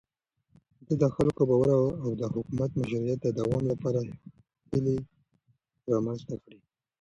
ده د خلکو باور او د حکومت مشروعيت د دوام لپاره هيلې رامنځته کړې.